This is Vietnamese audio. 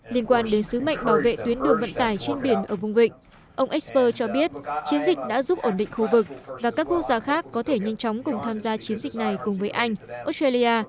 liên quan đến sứ mệnh bảo vệ tuyến đường vận tải trên biển ở vùng vịnh ông exper cho biết chiến dịch đã giúp ổn định khu vực và các quốc gia khác có thể nhanh chóng cùng tham gia chiến dịch này cùng với anh australia